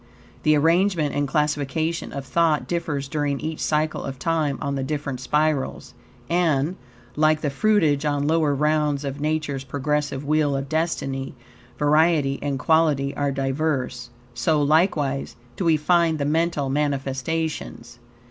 The arrangement and classification of thought differs during each cycle of time on the different spirals, and, like the fruitage on lower rounds of Nature's progressive wheel of destiny, variety and quality are diverse, so, likewise, do we find the mental manifestations.